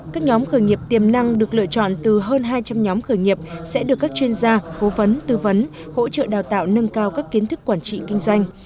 các nhóm khởi nghiệp tiềm năng được lựa chọn từ hơn hai trăm linh nhóm khởi nghiệp sẽ được các chuyên gia cố vấn tư vấn hỗ trợ đào tạo nâng cao các kiến thức quản trị kinh doanh